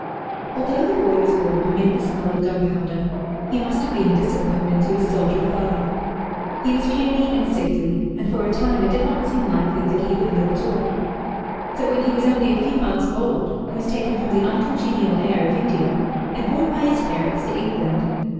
Although the boy was born amid the smell of gunpowder, he must have been a disappointment to his soldier father. He was puny and sickly, and for a time it did not seem likely that he would live at all. So when he was only a few months old, he was taken from the uncongenial air of India and brought by his parents to England.